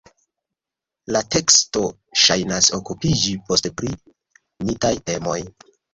La teksto ŝajnas okupiĝi poste pri mitaj temoj.